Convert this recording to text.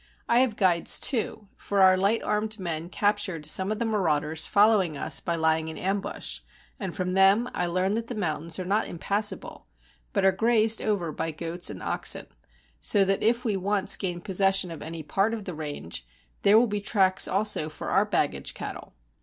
I have guides, too; for our light armed men captured some of the marauders following us by lying in ambush; and from them I learn that the mountains are not impassable, but are grazed over by goats and oxen, so that if we once gain possession of any part of the range, there will be tracks also for our baggage cattle.